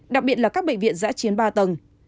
đặc biệt là các bệnh viện giã chiến ba tầng